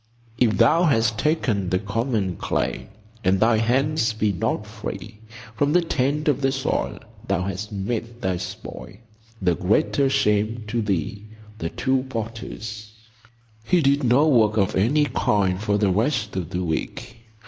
"If thou hast taken the common clay, And thy hands be not free From the taint of the soil, thou hast made thy spoil The greater shame to thee."—The Two Potters. He did no work of any kind for the rest of the week.